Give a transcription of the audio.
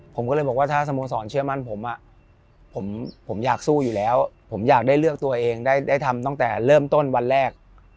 ผมก็เลยบอกว่าถ้าสโมสรเชื่อมั่นผมผมอยากสู้อยู่แล้วผมอยากได้เลือกตัวเองได้ทำตั้งแต่เริ่มต้นวันแรก